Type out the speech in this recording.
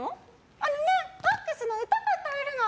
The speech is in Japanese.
あのね、ＭＡＸの歌が歌えるの！